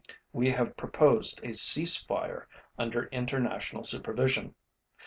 We have proposed a cease fire under international supervision.